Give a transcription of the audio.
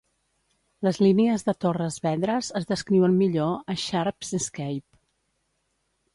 Les línies de Torres Vedras es descriuen millor a Sharpe's Escape.